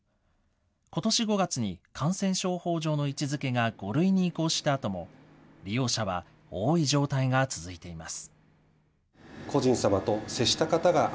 ことし５月に感染症法上の位置づけが５類に移行したあとも、利用者は多い状態が続いています。